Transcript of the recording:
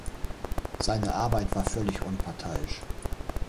Seine Arbeit war völlig unparteiisch.